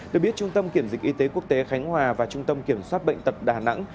được biết trung tâm kiểm dịch y tế quốc tế khánh hòa và trung tâm kiểm soát bệnh tật đà nẵng